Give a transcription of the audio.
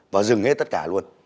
và dừng hết tất cả luôn